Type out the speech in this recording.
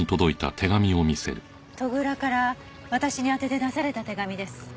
戸倉から私に宛てて出された手紙です。